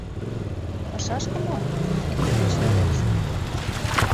— Пашашке мо? — икте деч йодеш.